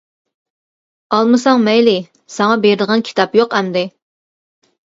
ئالمىساڭ مەيلى، ساڭا بېرىدىغان كىتاب يوق ئەمدى!